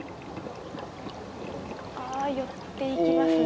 ああ寄っていきますね。